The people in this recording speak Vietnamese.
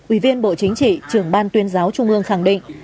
ủy viên bộ chính trị trưởng ban tuyên giáo trung ương khẳng định